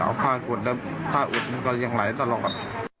เอาค่าค่าโหดยังไหลตลอด